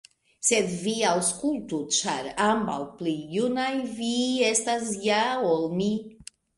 Sed vi aŭskultu, ĉar ambaŭ pli junaj vi estas ja ol mi.